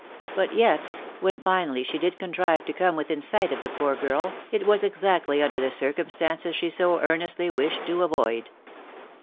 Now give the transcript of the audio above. • but yet, when finally she did contrive to come within sight of the poor girl, it was exactly under the circumstances she so earnestly wished to avoid.